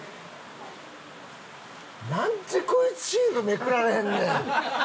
なんでこいつシールめくられへんねん！